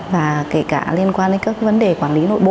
và kể cả liên quan đến các vấn đề quản lý nội bộ